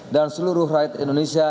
dan seluruh rakyat indonesia